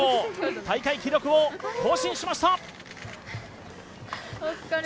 大会記録を更新しました！